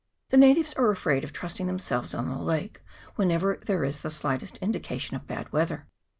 The natives are afraid of trusting themselves on the lake whenever there is the slightest indication of bad weather.